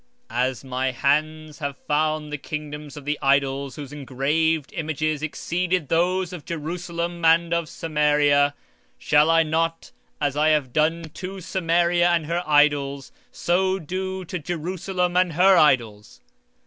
20:10 As my hand hath founded the kingdoms of the idols, and whose graven images did excel them of Jerusalem and of Samaria; 20:11 Shall I not, as I have done unto Samaria and her idols, so do to Jerusalem and to her idols?